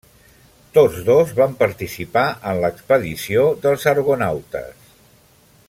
Tots dos van participar en l'expedició dels argonautes.